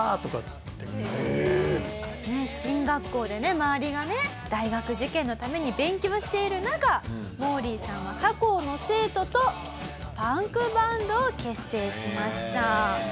周りがね大学受験のために勉強している中モーリーさんは他校の生徒とパンクバンドを結成しました。